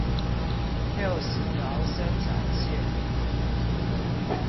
六十條生產線